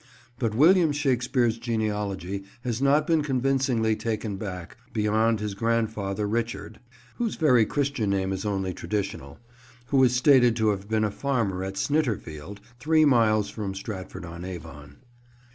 But William Shakespeare's genealogy has not been convincingly taken back beyond his grandfather Richard (whose very Christian name is only traditional), who is stated to have been a farmer at Snitterfield, three miles from Stratford on Avon.